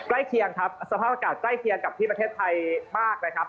เคียงครับสภาพอากาศใกล้เคียงกับที่ประเทศไทยมากนะครับ